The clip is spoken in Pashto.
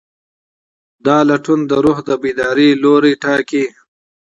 دا لټون د روح د بیدارۍ لوری ټاکي.